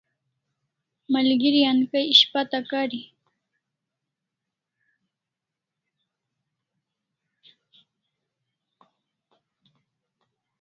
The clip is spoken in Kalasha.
Malgeri an kai ishpata kari